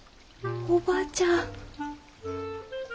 おばちゃん。